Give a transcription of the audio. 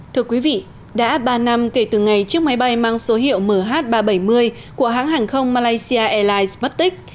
thưa quý vị đã ba năm kể từ ngày chiếc máy bay mang số hiệu mh ba trăm bảy mươi của hãng hàng không malaysia airlines mất tích